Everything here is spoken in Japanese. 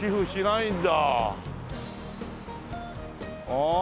ああ。